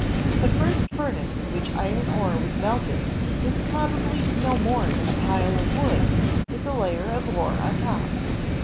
The first furnace in which iron ore was melted was probably no more than a pile of wood with a layer of ore on top.